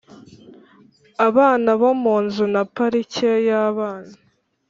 abana bo munzu na parike yabana